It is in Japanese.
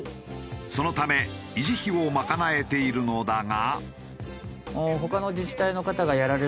そのため維持費を賄えているのだが。